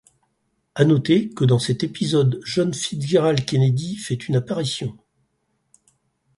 À noter que dans cet épisode John Fitzgerald Kennedy fait une apparition.